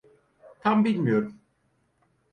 Tam bilmiyorum.